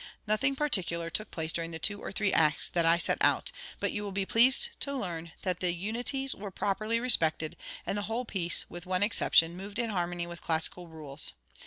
Nothing particular took place during the two or three acts that I sat out; but you will he pleased to learn that the unities were properly respected, and the whole piece, with one exception, moved in harmony with classical rules.